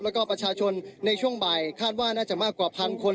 แล้วก็ประชาชนในช่วงบ่ายคาดว่าน่าจะมากกว่าพันคน